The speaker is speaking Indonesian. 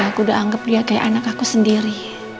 aku udah anggap dia kayak anak aku sendiri